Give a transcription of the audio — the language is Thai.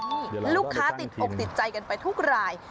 นี่ลูกค้าติดอกติดใจกันไปทุกราย